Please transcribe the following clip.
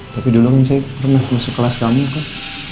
tapi dulu kan saya pernah masuk kelas kamu kok